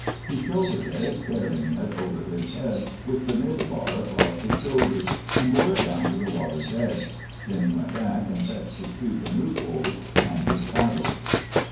He shouldered it, carrying it over his head with the mid bar across his shoulders, and bore it down to the water's edge. Then he went back and fetched his two canoe poles and his paddles.